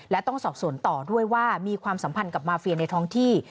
และต้องสอบสวนต่อด้วยว่ามีความสัมพันธ์กับมาเฟียในท้องที่